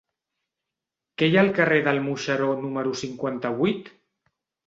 Què hi ha al carrer del Moixeró número cinquanta-vuit?